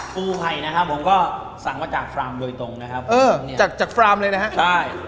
ปูไห่นะครับผมก็สั่งมาจากฟรามโดยตรงนะครับจากจากฟรามเลยนะฮะใช่